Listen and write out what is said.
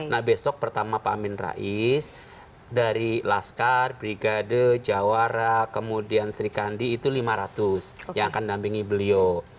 nah besok pertama pak amin rais dari laskar brigade jawara kemudian sri kandi itu lima ratus yang akan dampingi beliau